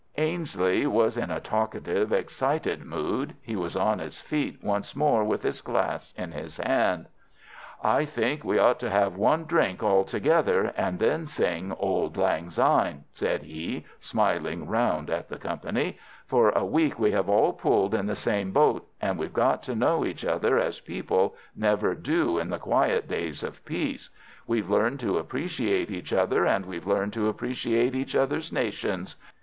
Ainslie was in a talkative, excited mood. He was on his feet once more with his glass in his hand. "I think that we ought to have one drink all together, and then sing 'Auld Lang Syne,'" said he, smiling round at the company. "For a week we have all pulled in the same boat, and we've got to know each other as people never do in the quiet days of peace. We've learned to appreciate each other, and we've learned to appreciate each other's nations.